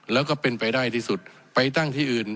แล้วก็เป็นไปได้ที่สุดไปตั้งที่อื่น